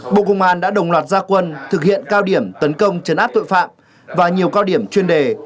bộ công an đã đồng loạt gia quân thực hiện cao điểm tấn công chấn áp tội phạm và nhiều cao điểm chuyên đề